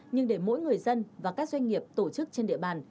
nhưng để mỗi người dân và các doanh nghiệp tổ chức trên địa bàn